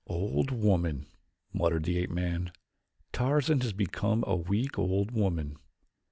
"Old woman," muttered the ape man. "Tarzan has become a weak old woman.